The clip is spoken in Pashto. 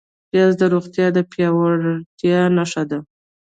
پیاز د روغتیا د پیاوړتیا نښه ده